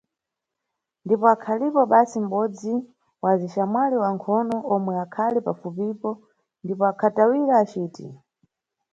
Ndipo akhalipo basi mʼbodzi wa azixamwali wa nkhono omwe akhali pafupipo ndipo akhatawira aciti.